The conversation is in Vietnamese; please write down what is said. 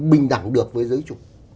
bình đẳng được với giới chủ